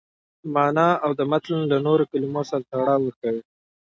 مانا او د متن له نورو کلمو سره تړاو ورکوي.